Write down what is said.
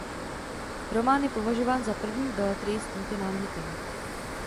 Román je považován za první beletrii s tímto námětem.